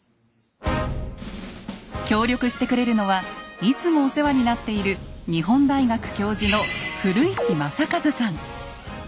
協力してくれるのはいつもお世話になっている日本大学教授の古市昌一さん。